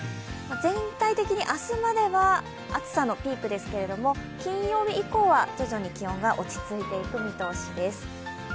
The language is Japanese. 全体的に明日までは暑さのピークですけども、金曜日以降は徐々に気温が落ち着いていく見通しです。